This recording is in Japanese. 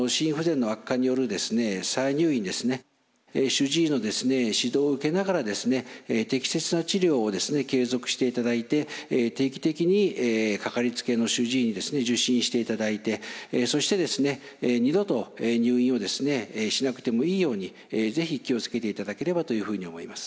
主治医の指導を受けながら適切な治療を継続していただいて定期的にかかりつけの主治医に受診していただいてそして二度と入院をしなくてもいいように是非気を付けていただければというふうに思います。